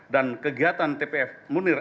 dan kegiatan tpf munir